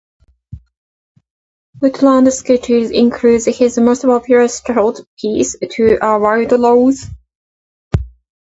"Woodland Sketches" includes his most popular short piece, "To a Wild Rose".